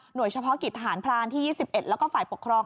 โดยเฉพาะกิจทหารพรานที่๒๑แล้วก็ฝ่ายปกครอง